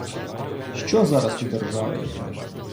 Що зараз у державі?